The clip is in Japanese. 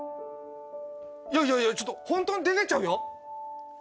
いやいやいやちょっとホントに出てっちゃうよ？